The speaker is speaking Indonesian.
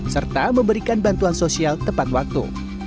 serta memberikan bantuan sosial tepat waktu